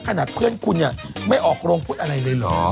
ขนาดเพื่อนคุณเนี่ยไม่ออกโรงพุทธอะไรเลยเหรอ